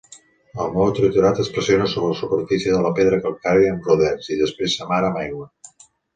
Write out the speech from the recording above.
El maó triturat es pressiona sobre la superfície de la pedra calcària amb rodets, i després s'amara amb aigua.